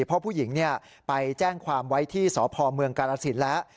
เพราะผู้หญิงเนี่ยไปแจ้งความไว้ที่สพเมกรรษินทร์แล้ว